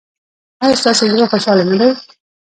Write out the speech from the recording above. ایا ستاسو زړه خوشحاله نه دی؟